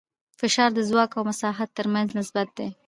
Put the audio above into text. فشار د ځواک او مساحت تر منځ نسبت دی.